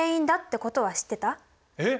えっ！